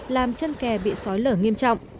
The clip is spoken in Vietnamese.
làm chân kè bị sói lở nghiêm trọng